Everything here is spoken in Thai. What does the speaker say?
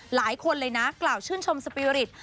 หลายคนเลยนะกล่าวชื่นชมสปีริต